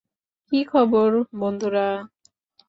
কী খবর, বন্ধুরা।